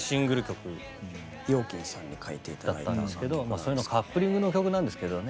それのカップリングの曲なんですけどね